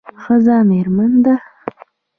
ښځه میرمن ده